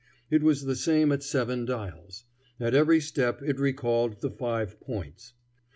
It was the same at Seven Dials. At every step it recalled the Five Points.